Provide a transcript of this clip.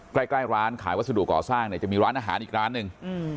ใกล้ร้านขายวัสดุก่อสร้างเนี่ยจะมีร้านอาหารอีกร้านหนึ่ง